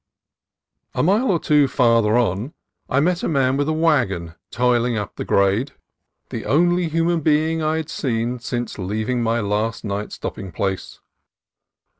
A mile or two farther on, I met a man with a wagon toiling up the grade, 288 CALIFORNIA COAST TRAILS the only human being I had seen since leaving my last night's stopping place.